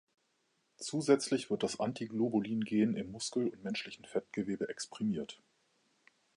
Zusätzlich wird das Antiglobulin-Gen im Muskel- und menschlichen Fettgewebe exprimiert.